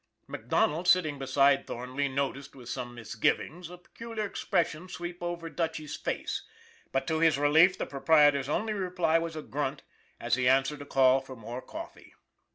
" MacDonald, sitting beside Thornley, noticed, with some misgivings, a peculiar expression sweep over Dutchy's face, but to his relief the proprietor's only reply was a grunt, as he answered a call for more coffee.